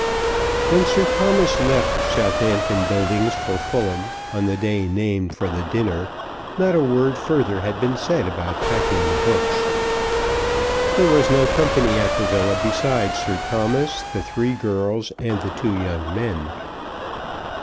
When Sir Thomas left Southampton Buildings for Fulham, on the day named for the dinner, not a word further had been said about packing the books. There was no company at the villa besides Sir Thomas, the three girls, and the two young men.